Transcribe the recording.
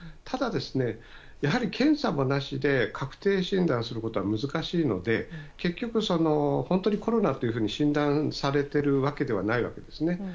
ただ、やはり検査もなしで確定診断することは難しいので結局、本当にコロナというふうに診断されているわけではないわけですよね。